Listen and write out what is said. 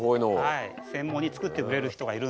はい。